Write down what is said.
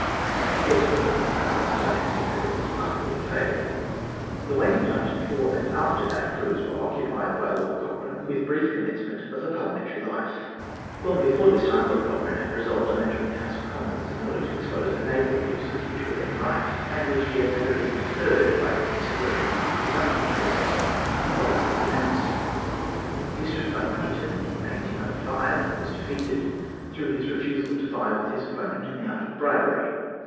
The exploit was none the less valiant in that it was partly a failure. The waiting times before and after that cruise were occupied by Lord Cochrane with brief commencement of parliamentary life. Long before this time Lord Cochrane had resolved on entering the House of Commons, in order to expose the naval abuses which were then rife, and which he had never been deterred, by consideration of his own interests, from boldly denouncing. He stood for Honiton in 1805, and was defeated through his refusal to vie with his opponent in the art of bribery.